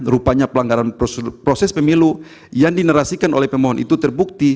rupanya pelanggaran proses pemilu yang dinerasikan oleh pemohon itu terbukti